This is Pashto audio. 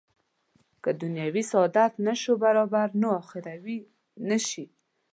که دنیوي سعادت نه شو برابر نو اخروي نه شي.